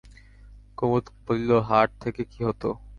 কুমুদ বলিল, হার থেকে কী হত?